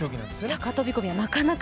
高飛び込みは、なかなか。